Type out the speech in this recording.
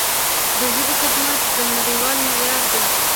د ژبې خدمت په نړیوال معیار دی.